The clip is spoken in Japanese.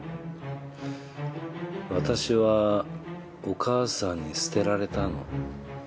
「私はお母さんに捨てられたの」。